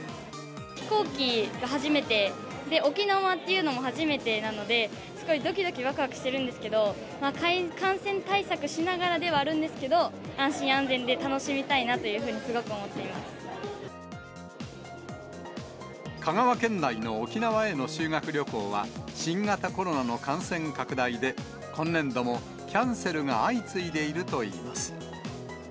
飛行機が初めてで、沖縄っていうのも初めてなので、すごいどきどきわくわくしてるんですけど、感染対策しながらではあるんですけど、安心安全で楽しみたいなと香川県内の沖縄への修学旅行は、新型コロナの感染拡大で今年度もキャンセルが相次いでいるといいます。